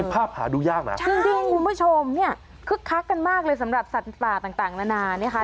ภาพหาดูยากนะครับใช่คุณผู้ชมคึกคักกันมากเลยสำหรับสัตว์ป่าต่างนานา